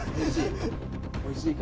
おいしい？